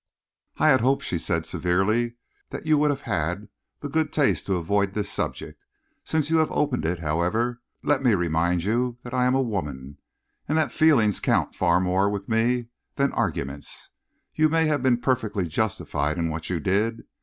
"I had hoped," she said severely, "that you would have had the good taste to avoid this subject. Since you have opened it, however, let me remind you that I am a woman, and that feelings count for far more with me than arguments. You may have been perfectly justified in what you did.